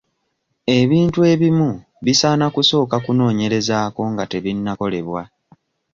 Ebintu ebimu bisaana kusooka kunoonyerezaako nga tebinnakolebwa.